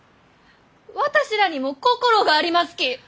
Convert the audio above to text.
私らにも心がありますき！